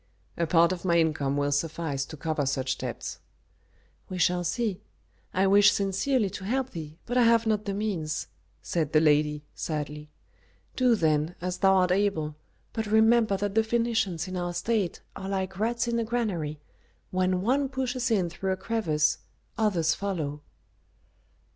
"A part of my income will suffice to cover such debts." "We shall see. I wish sincerely to help thee, but I have not the means," said the lady, sadly. "Do, then, as thou art able, but remember that the Phœnicians in our state are like rats in a granary; when one pushes in through a crevice, others follow."